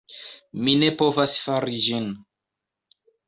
Mi ne povas fari ĝin.